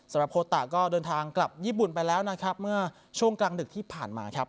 โคตะก็เดินทางกลับญี่ปุ่นไปแล้วนะครับเมื่อช่วงกลางดึกที่ผ่านมาครับ